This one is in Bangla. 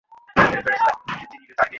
গুয়াড় ভূঞা আত্মহত্যুর সুরতহাল হতে হয়।